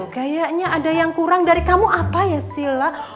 kayaknya ada yang kurang dari kamu apa ya sila